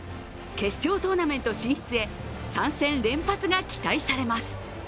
決勝トーナメント進出へ、３戦連発が期待されます。